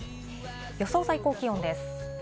予想最高気温です。